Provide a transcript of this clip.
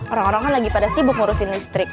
orang orang kan lagi pada sibuk ngurusin listrik